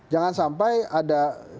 jangan sampai ada